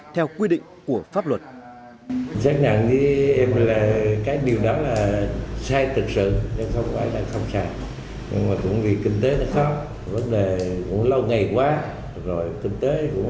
theo quy định của pháp luật